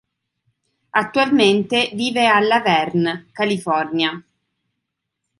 Attualmente vive a La Verne, California.